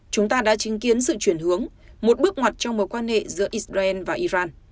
chúng ta đã chứng kiến sự chuyển hướng một bước ngoặt trong mối quan hệ giữa israel và iran